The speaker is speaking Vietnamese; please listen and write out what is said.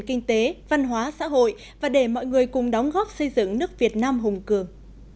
kinh tế văn hóa xã hội và để mọi người cùng đóng góp xây dựng nước việt nam hùng cường